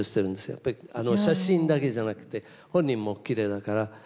やっぱり写真だけじゃなくて、本人もきれいだから。